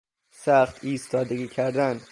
سخت ایستادگی کردن